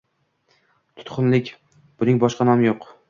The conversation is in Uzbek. Tutqunlik. Buning boshqa nomi yo‘q